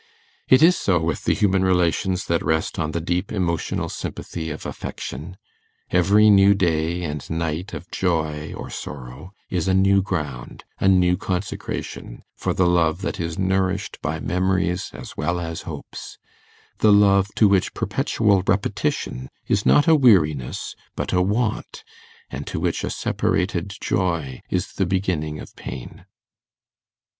It is so with the human relations that rest on the deep emotional sympathy of affection: every new day and night of joy or sorrow is a new ground, a new consecration, for the love that is nourished by memories as well as hopes the love to which perpetual repetition is not a weariness but a want, and to which a separated joy is the beginning of pain.